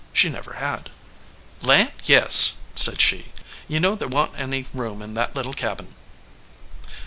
She never had. "Land, yes !" said she. "You know there wa n t any room in that little cabin."